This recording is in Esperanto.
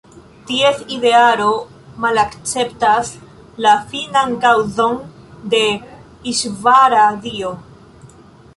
Ties idearo malakceptas la finan kaŭzon de "Iŝvara" (Dio).